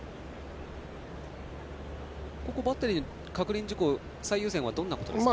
ここはバッテリーの確認事項最優先はどんなことですか。